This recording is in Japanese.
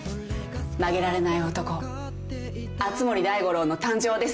曲げられない男熱護大五郎の誕生です。